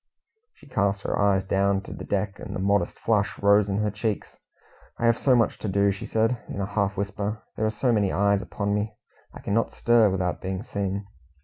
She cast her eyes down to the deck and a modest flush rose in her cheeks. "I have so much to do," she said, in a half whisper. "There are so many eyes upon me, I cannot stir without being seen."